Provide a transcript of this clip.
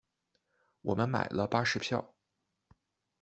我们买了巴士票